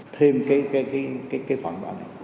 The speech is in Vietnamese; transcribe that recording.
thêm cái phần bản